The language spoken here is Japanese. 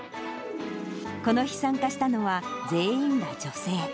この日、参加したのは全員が女性。